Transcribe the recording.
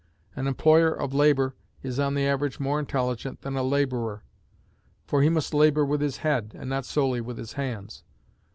An employer of labor is on the average more intelligent than a laborer; for he must labor with his head, and not solely with his hands.